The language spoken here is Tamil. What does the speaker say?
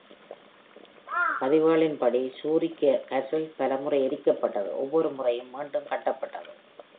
பதிவுகளின்படி, Shuri Castle பல முறை எரிக்கப்பட்டது, ஒவ்வொரு முறையும் மீண்டும் கட்டப்பட்டது.